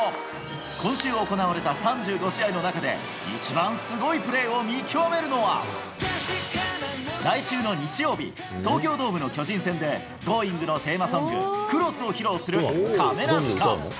今週行われた３５試合の中で、一番すごいプレーを見極めるのは、来週の日曜日、東京ドームの巨人戦で、Ｇｏｉｎｇ！のテーマソング、Ｃｒｏｓｓを披露する亀梨か。